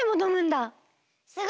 すごい！